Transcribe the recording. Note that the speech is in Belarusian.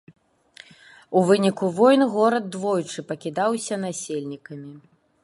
У выніку войн горад двойчы пакідаўся насельнікамі.